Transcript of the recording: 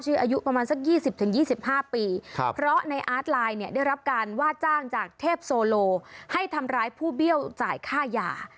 ถึง๒๕ปีเพราะในอาร์ตไลน์เนี่ยได้รับการว่าจ้างจากเทพโซโลให้ทำร้ายผู้เบี้ยวจ่ายค่าหย่า